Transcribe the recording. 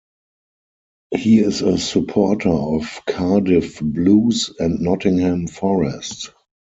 He is a supporter of Cardiff Blues and Nottingham Forest.